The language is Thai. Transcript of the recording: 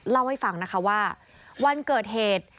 เล่าให้ฟังนะคะว่าวันเกิดเหตุ